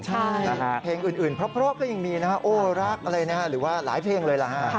เพลงอื่นพรบก็ยังมีนะฮะโอ้รักอะไรนะฮะหรือว่าหลายเพลงเลยนะฮะ